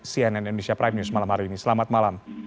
cnn indonesia prime news malam hari ini selamat malam